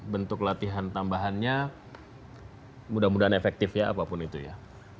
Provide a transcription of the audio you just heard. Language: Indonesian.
bentuk latihan tambahannya mudah mudahan efektif ya apapun itu ya